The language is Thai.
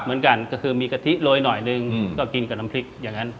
เหมือนกันก็คือมีกะทิโรยหน่อยนึงก็กินกับน้ำพริกอย่างนั้น